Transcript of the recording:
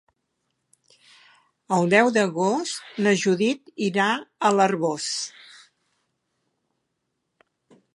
El deu d'agost na Judit irà a l'Arboç.